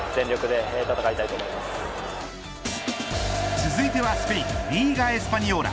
続いてはスペインリーガエスパニョーラ。